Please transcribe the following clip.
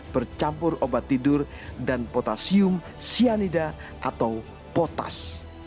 bercampur obat tidur dan potasium cyanida atau potas